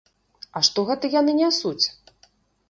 А што гэта яны нясуць?